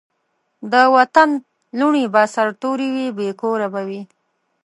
د وطن لوڼي به سرتوري وي بې کوره به وي